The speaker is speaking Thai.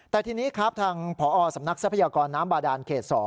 แต่ทีนี้ครับทางผอสำนักทรัพยากรน้ำบาดานเขต๒